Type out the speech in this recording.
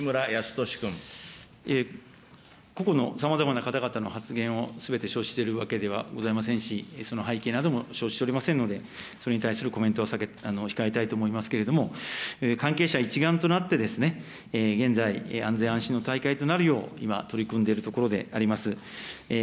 個々のさまざまな方々の発言をすべて承知しているわけではございませんし、その背景なども承知しておりませんので、それに対するコメントは控えたいと思いますけれども、関係者一丸となって、現在、安全安心の大会となるよう、今、取り組んでいるところであります。